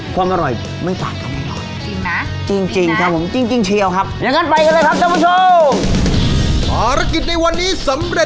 ความอร่อยไม่ต่างกันแน่นอน